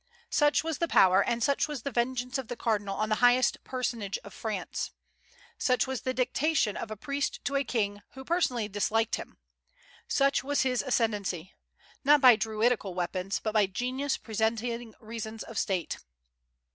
Such was the power and such was the vengeance of the cardinal on the highest personage in France. Such was the dictation of a priest to a king who personally disliked him; such was his ascendency, not by Druidical weapons, but by genius presenting reasons of state.